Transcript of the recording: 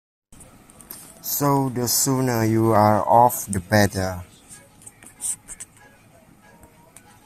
So the sooner you're off, the better.